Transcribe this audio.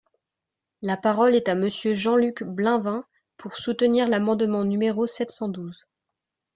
La parole est à Monsieur Jean-Luc Bleunven, pour soutenir l’amendement numéro sept cent douze.